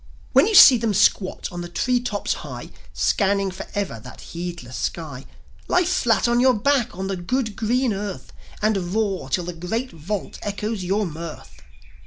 When you see them squat on the tree tops high, Scanning for ever that heedless sky, Lie flat on your back on the good, green earth And roar till the great vault echoes your mirth."